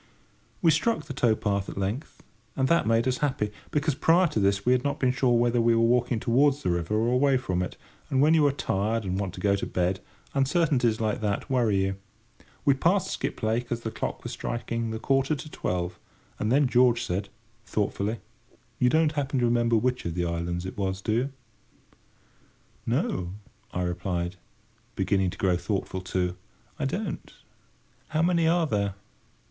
We struck the tow path at length, and that made us happy; because prior to this we had not been sure whether we were walking towards the river or away from it, and when you are tired and want to go to bed uncertainties like that worry you. We passed Skiplake as the clock was striking the quarter to twelve; and then George said, thoughtfully: "You don't happen to remember which of the islands it was, do you?" "No," I replied, beginning to grow thoughtful too, "I don't. How many are there?"